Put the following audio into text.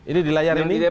ini di layar ini